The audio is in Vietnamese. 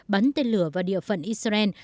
bắn tên lửa vào địa phận israel